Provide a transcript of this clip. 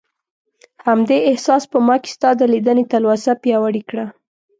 همدې احساس په ما کې ستا د لیدنې تلوسه پیاوړې کړه.